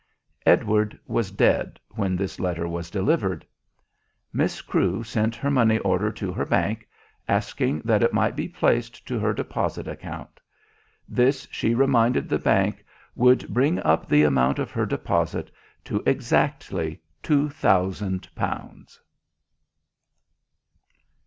Edward was dead when this letter was delivered. Miss Crewe sent her money order to her bank, asking that it might be placed to her deposit account. This she reminded the bank, would bring up the amount of her deposit to exactly two thousand pounds.